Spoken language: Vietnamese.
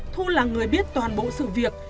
thu là người biết toàn bộ sự việc